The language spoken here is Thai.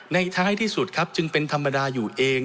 ท้ายที่สุดครับจึงเป็นธรรมดาอยู่เอง